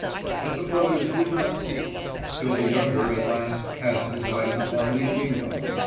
But the brothers did not cease, till the younger at last cast his eyes upon Litvinov.